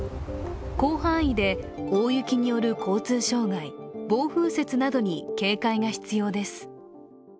広範囲で大雪による交通障害、暴風雪などに警戒が必要です。